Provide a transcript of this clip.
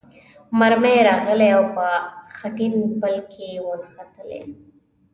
مرمۍ راغلې او په خټین پل کې ونښتلې.